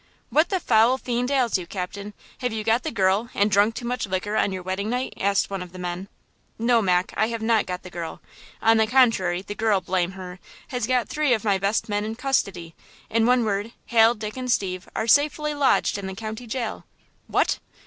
"What the foul fiend ails you, captain? Have you got the girl, and drunk too much liquor on your wedding night?" asked one of the men. "No, Mac, I have not got the girl! On the contrary, the girl blame her, has got three of my best men in custody! In one word, Hal, Dick and Steve are safely lodged in the county jail!" "What?"